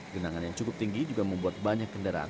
genangan yang cukup tinggi juga membuat banyak kendaraan